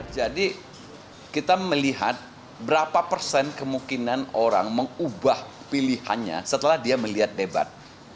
jadi kita melihat berapa persen kemungkinan orang mengubah pilihannya setelah dia melihat debat